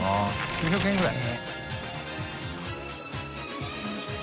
９００円ぐらい？